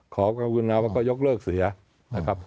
ขอบรรวมนักวิญญาณวันก็ยกเลิกเสียครับ